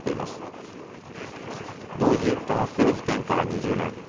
同時多発テロ事件から２０年。